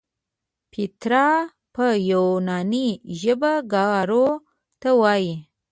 پیترا په یوناني ژبه ګارو ته وایي.